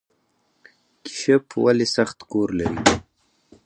کیشپ ولې سخت کور لري؟